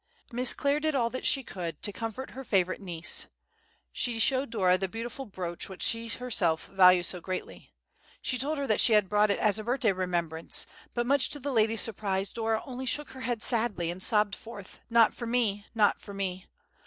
Miss Clare did all that she could to comfort her favorite niece. She showed Dora the beautiful brooch which she herself valued so greatly; she told her that she had brought it as a birthday remembrance; but, much to the lady's surprise, Dora only shook her head sadly, and sobbed forth, "Not for me—not for me!